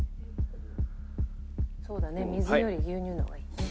「そうだね水より牛乳の方がいいね」